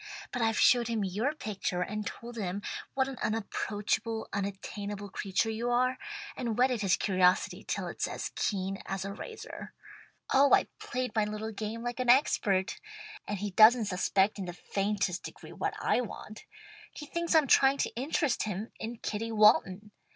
But I've showed him your picture and told him what an unapproachable, unattainable creature you are, and whetted his curiosity till it's as keen as a razor. Oh I've played my little game like an expert, and he doesn't suspect in the faintest degree what I want. He thinks I'm trying to interest him in Kitty Walton.